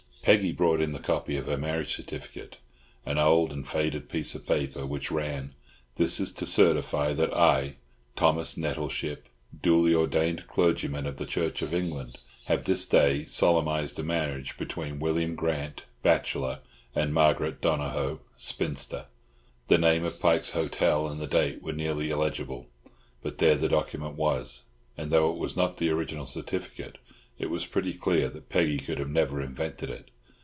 Peggy brought in the copy of her marriage certificate, an old and faded piece of paper which ran—"This is to certify that I, Thomas Nettleship, duly ordained clergyman of the Church of England, have this day solemnized a marriage between William Grant, Bachelor, and Margaret Donohoe, Spinster." The name of Pike's Hotel and the date were nearly illegible, but there the document was; and though it was not the original certificate, it was pretty clear that Peggy could never have invented it.